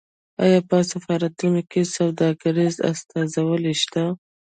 آیا په سفارتونو کې سوداګریزې استازولۍ شته؟